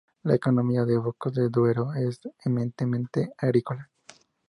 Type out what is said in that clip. La economía de Bocos de Duero es eminentemente agrícola.